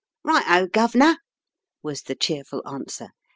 Righto, guv'nor," was the cheerful answer.